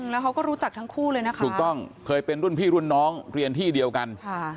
แล้วเขาก็รู้จักทั้งคู่เลยนะคะถูกต้องเคยเป็นรุ่นพี่รุ่นน้องเรียนที่เดียวกัน